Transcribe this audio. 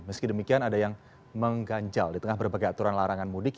meski demikian ada yang mengganjal di tengah berbagai aturan larangan mudik